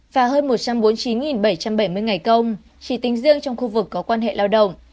và hơn một trăm bốn mươi chín bảy trăm bảy mươi ngày công chỉ tính riêng trong khu vực có quan hệ lao động